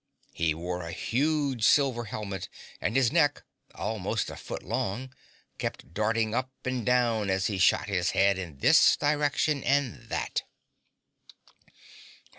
He wore a huge silver helmet, and his neck, almost a foot long, kept darting up and down as he shot his head in this direction and that.